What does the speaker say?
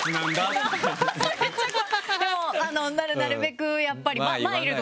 でもなるべくやっぱりマイルドに。